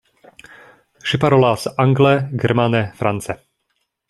Ŝi parolas angle, germane, france.